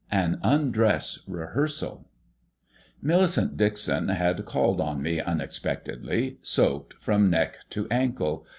X AN UNDRESS REHEARSAL Millicent Dixon had called on me unexpectedly, soaked from neck to ankle.